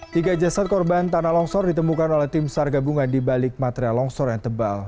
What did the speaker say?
tiga jasad korban tanah longsor ditemukan oleh tim sar gabungan di balik material longsor yang tebal